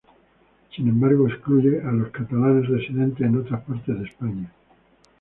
Sin embargo, excluye a los catalanes residentes en otras partes de España.